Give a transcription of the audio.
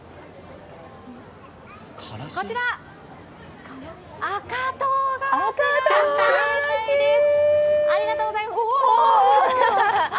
こちら、赤とうがらしなんです。